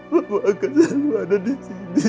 papa akan selalu ada di sini